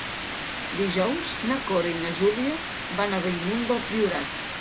Dijous na Cora i na Júlia van a Bellmunt del Priorat.